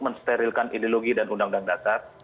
mensterilkan ideologi dan undang undang dasar